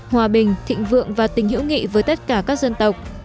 hòa bình thịnh vượng và tình hữu nghị với tất cả các dân tộc